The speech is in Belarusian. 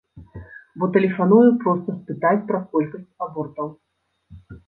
Бо тэлефаную проста спытаць пра колькасць абортаў.